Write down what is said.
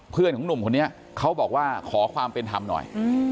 เพื่อนของหนุ่มคนนี้เขาบอกว่าขอความเป็นธรรมหน่อย